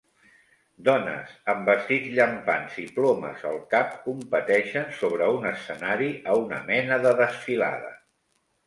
Dones amb vestits llampants i plomes al cap competeixen sobre un escenari a una mena de desfilada.